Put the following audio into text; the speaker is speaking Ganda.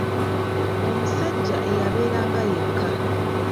Omusajja eyabeeranga yekka.